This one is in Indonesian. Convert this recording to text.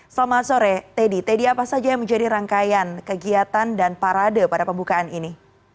selamat sore teddy teddy apa saja yang menjadi rangkaian kegiatan dan parade pada pembukaan ini